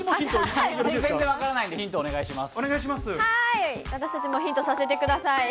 はーい、私たちもヒントさせてください。